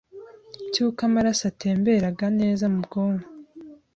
cy’uko amaraso atatemberaga neza mu bwonko